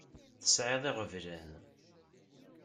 Tesεiḍ iɣeblan.